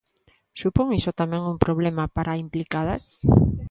Supón iso tamén un problema para Implicadas?